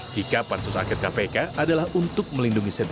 jika pansus akit kpk adalah untuk melindungi setia